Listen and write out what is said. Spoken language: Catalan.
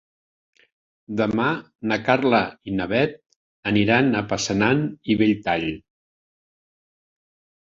Demà na Carla i na Bet aniran a Passanant i Belltall.